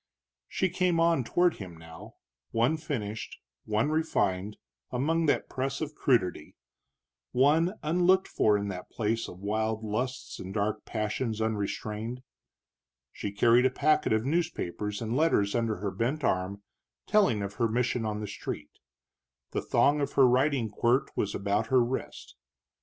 She came on toward him now, one finished, one refined, among that press of crudity, one unlooked for in that place of wild lusts and dark passions unrestrained. She carried a packet of newspapers and letters under her bent arm, telling of her mission on the street; the thong of her riding quirt was about her wrist.